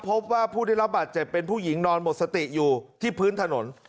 พบว่าผู้ได้รับบาดเจ็บเป็นผู้หญิงนอนหมดสติอยู่ที่พื้นถนน